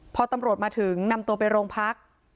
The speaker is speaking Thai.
พอตำรวจมาถึงนำตัวไปโรงพัก